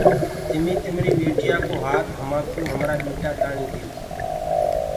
تمي تمري ٻيتايا ڪو هآت هماڪوٚ هرآ تآڻيٚ ديئو۔